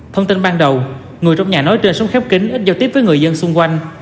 thông tin ban đầu người trong nhà nói trên xuống khép kính ít giao tiếp với người dân xung quanh